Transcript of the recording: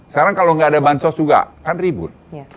sekarang kalau nggak ada bansos juga kan ribut